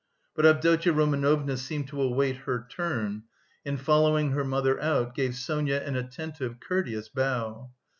But Avdotya Romanovna seemed to await her turn, and following her mother out, gave Sonia an attentive, courteous bow.